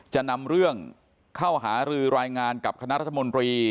จะนำเรื่องเข้าหารือรายงานกับคณะรัฐมนตรี